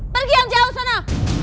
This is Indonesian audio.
pergi yang jauh sana